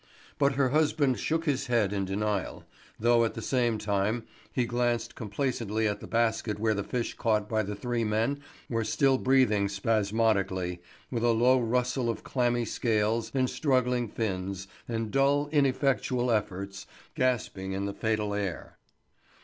But her husband shook his head in denial, though at the same time he glanced complacently at the basket where the fish caught by the three men were still breathing spasmodically, with a low rustle of clammy scales and struggling fins, and dull, ineffectual efforts, gasping in the fatal air.